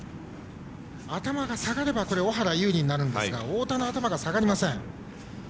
頭が下がれば尾原が有利になりますが太田の頭が下がりません。